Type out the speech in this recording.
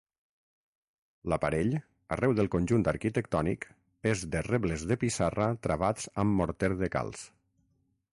L'aparell, arreu del conjunt arquitectònic, és de rebles de pissarra travats amb morter de calç.